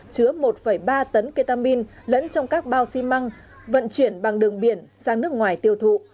chứa một ba tấn ketamin lẫn trong các bao xi măng vận chuyển bằng đường biển sang nước ngoài tiêu thụ